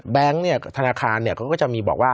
แบงค์ธนาคารก็จะมีบอกว่า